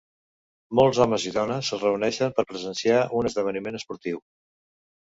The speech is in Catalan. Molts homes i dones es reuneixen per presenciar un esdeveniment esportiu.